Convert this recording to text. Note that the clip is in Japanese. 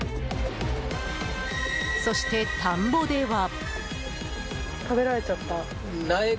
そして田んぼでは。